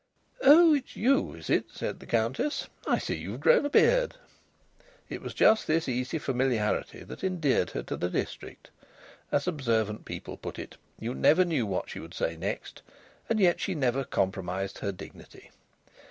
"Oh! it's you, is it?" said the Countess. "I see you've grown a beard." It was just this easy familiarity that endeared her to the district. As observant people put it, you never knew what she would say next, and yet she never compromised her dignity.